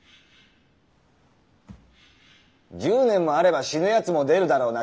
１０年もあれば死ぬヤツも出るだろうな。